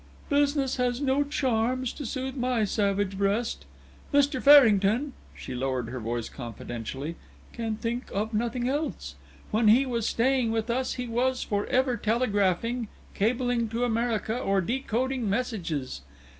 "Business has no charms to soothe my savage breast! Mr. Farrington," she lowered her voice confidentially, "can talk of nothing else. When he was staying with us he was for ever telegraphing, cabling to America, or decoding messages.